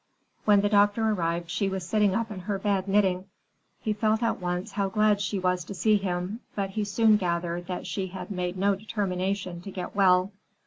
When the doctor arrived, she was sitting up in her bed, knitting. He felt at once how glad she was to see him, but he soon gathered that she had made no determination to get well.